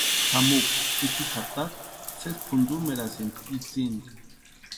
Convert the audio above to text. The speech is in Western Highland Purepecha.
Kʼamukwa itsï jatakwa sesi pʼuntsumerasïnti itsïni.